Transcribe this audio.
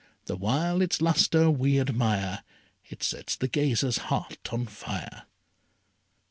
The while its lustre we admire It sets the gazer's heart on fire.